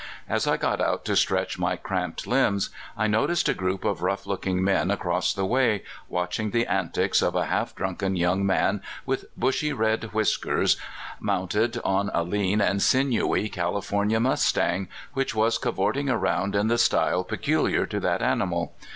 As I got out to stretch my cramped Hmbs, I noticed a group of rough looking men across the way, watching the antics of a half drunken young man with bushy red whiskers, mounted on a lean and sinewy California mustang, which was cavorting around in the style peculiar to that animal.